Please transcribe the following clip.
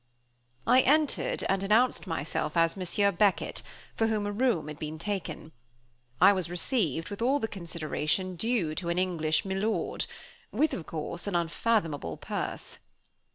I entered and announced myself as Monsieur Beckett, for whom a room had been taken. I was received with all the consideration due to an English milord, with, of course, an unfathomable purse.